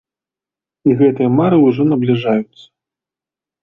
І гэтыя мары ўжо набліжаюцца.